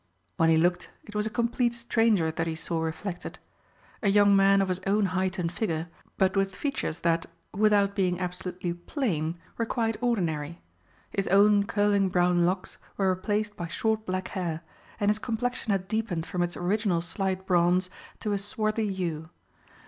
When he looked it was a complete stranger that he saw reflected. A young man of his own height and figure, but with features that, without being absolutely plain, were quite ordinary. His own curling brown locks were replaced by short black hair, and his complexion had deepened from its original slight bronze to a swarthy hue.